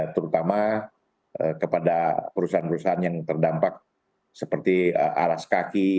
terutama kepada perusahaan perusahaan yang terdampak seperti alas kaki